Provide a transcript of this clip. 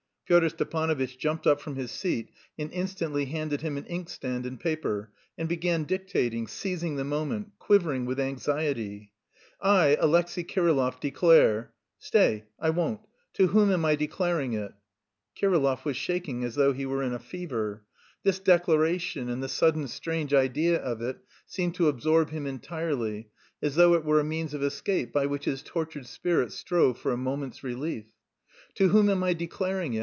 Pyotr Stepanovitch jumped up from his seat and instantly handed him an inkstand and paper, and began dictating, seizing the moment, quivering with anxiety. "I, Alexey Kirillov, declare..." "Stay; I won't! To whom am I declaring it?" Kirillov was shaking as though he were in a fever. This declaration and the sudden strange idea of it seemed to absorb him entirely, as though it were a means of escape by which his tortured spirit strove for a moment's relief. "To whom am I declaring it?